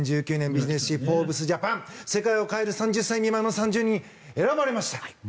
２０１９年ビジネス誌「フォーブスジャパン」世界を変える３０歳未満の３０人に選ばれました。